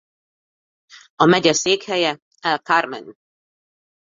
A megye székhelye El Carmen.